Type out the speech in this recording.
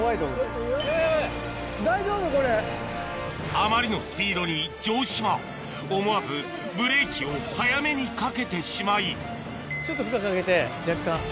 あまりのスピードに城島思わずブレーキを早めにかけてしまいちょっと負荷かけて若干。